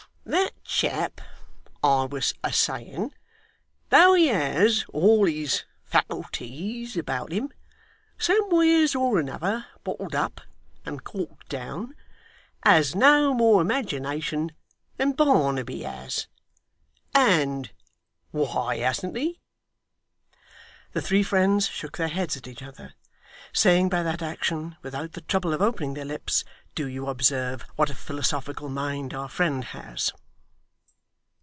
That chap, I was a saying, though he has all his faculties about him, somewheres or another, bottled up and corked down, has no more imagination than Barnaby has. And why hasn't he?' The three friends shook their heads at each other; saying by that action, without the trouble of opening their lips, 'Do you observe what a philosophical mind our friend has?